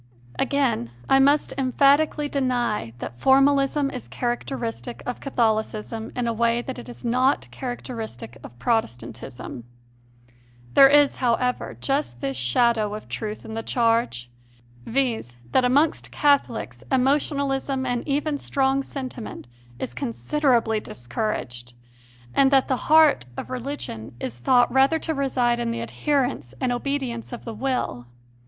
Again, I must emphatically deny that formalism is characteristic of Catholicism in a way that it is not characteristic of Protestantism. There is, how ever, just this shadow of truth in the charge; viz., that amongst Catholics emotionalism and even strong sentiment is considerably discouraged, and that the heart of religion is thought rather to reside in the adherence and obedience of the will.